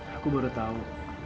aku baru tahu